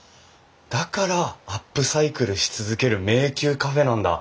だから「アップサイクルし続ける迷宮カフェ」なんだ。